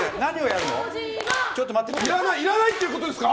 いらないってことですか？